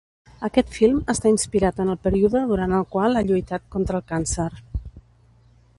Aquest film està inspirat en el període durant el qual ha lluitat contra el càncer.